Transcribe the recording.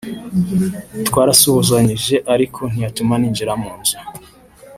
twarasuhuzanyije ariko ntiyatuma ninjira mu nzu